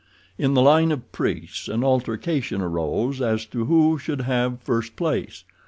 In the line of priests an altercation arose as to who should have first place.